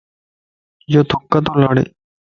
يو ٿُڪ تو لاڙي